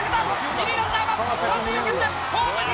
二塁ランナーは三塁を蹴ってホームに向かう！